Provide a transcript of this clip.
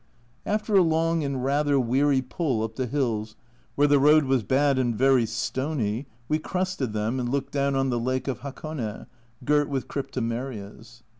After a long and rather weary pull up the hills, where the road was bad and very stony, we crested them, and looked down on the lake of Hakone, girt with Cryptomerias.